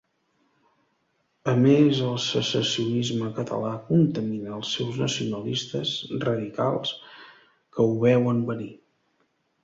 A més el secessionisme català contamina els seus nacionalistes radicals, que ho veuen venir.